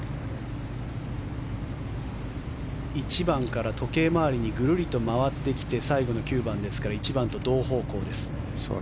１番から時計回りにぐるりと回ってきて最後の９番ですから１番と同方向です。